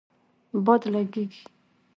باد لږیږی